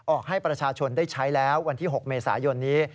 ให้ประชาชนได้ใช้แล้ววันที่๖เมษายนนี้